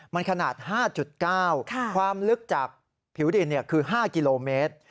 มันขนาด๕๙ความลึกจากผิวดินคือ๕กิโลเมตร